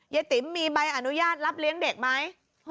ติ๋มมีใบอนุญาตรับเลี้ยงเด็กไหม